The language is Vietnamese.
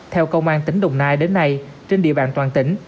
theo công an tỉnh đồng nai đến nay trên địa bàn toàn tỉnh